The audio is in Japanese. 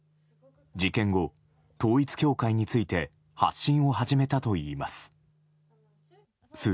事件後、統一教会について発信を始めたといいます。